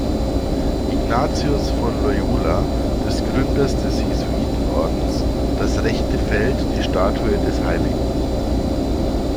Ignatius von Loyola, des Gründers des Jesuitenordens, das rechte Feld die Statue des hl.